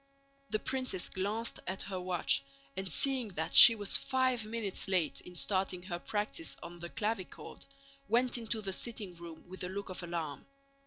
The princess glanced at her watch and, seeing that she was five minutes late in starting her practice on the clavichord, went into the sitting room with a look of alarm.